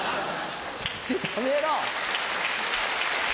やめろ！